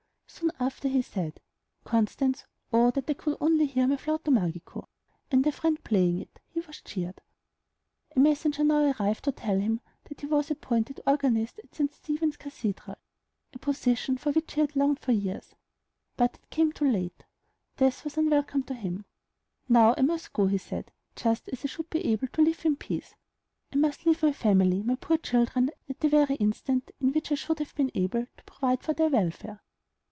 Soon after he said, "Constance, oh that I could only hear my 'Flauto Magico!'" and a friend playing it, he was cheered. A messenger now arrived to tell him that he was appointed organist at St. Stephen's Cathedral, a position for which he had longed for years; but it came too late. Death was unwelcome to him. "Now must I go," he said, "just as I should be able to live in peace; I must leave my family, my poor children, at the very instant in which I should have been able to provide for their welfare."